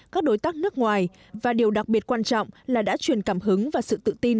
các đối tác nước ngoài và điều đặc biệt quan trọng là đã truyền cảm hứng và sự tự tin